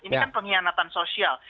ini kan pengkhianatan sosial